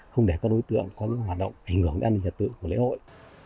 không để các đối tượng có những hoạt động ảnh hưởng đến an ninh trật tự của lễ hội